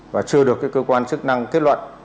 và chưa được cơ quan chức năng kết luận